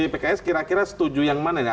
pks kira kira setuju yang mana ya